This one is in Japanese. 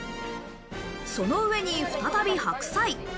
その上に再び白菜。